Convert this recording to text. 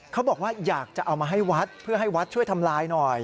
เขาบอกว่าอยากจะเอามาให้วัดเพื่อให้วัดช่วยทำลายหน่อย